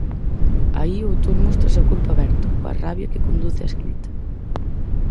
Aí o autor móstrase a corpo aberto, coa rabia que conduce á escrita.